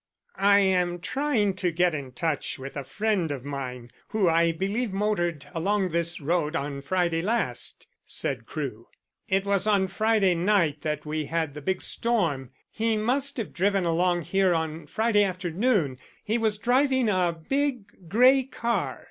"I am trying to get in touch with a friend of mine who I believe motored along this road on Friday last," said Crewe. "It was on Friday night that we had the big storm. He must have driven along here on Friday afternoon; he was driving a big grey car.